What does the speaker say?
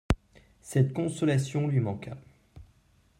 Cette consolation lui manqua.